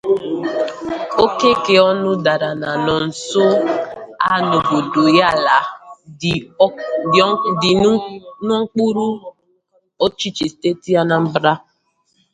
Oke ọñụ̀ dara na nsonso a n'obodo Ihiala dị n'okpuru ọchịchị steeti Anambra